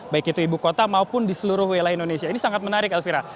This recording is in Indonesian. baik itu ibu kota maupun di seluruh wilayah indonesia ini sangat menarik elvira